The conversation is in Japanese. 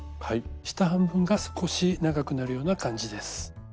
下半分が少し長くなるような感じです。